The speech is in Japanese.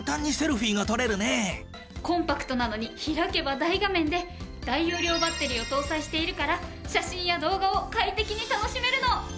コンパクトなのに開けば大画面で大容量バッテリーを搭載しているから写真や動画を快適に楽しめるの！